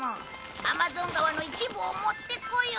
アマゾン川の一部を持ってこよう。